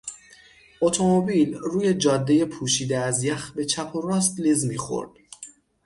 اتومبیل روی جادهی پوشیده از یخ به چپ وراست لیز می خورد.